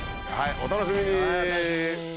お楽しみに。